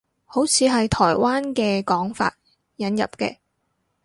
好似係台灣嘅講法，引入嘅